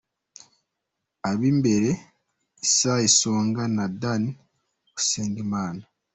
Ab’imbere: Isae Songa na Danny Usengimana.